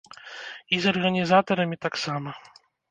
І з арганізатарамі таксама.